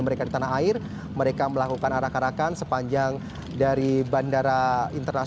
mantan atlet bulu tangkis